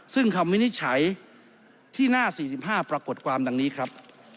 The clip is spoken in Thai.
ซึ่งคำวินิจฉัยที่หน้า๔๕ปรากฏความดังนี้ครับ